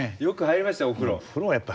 よく入りましたお風呂。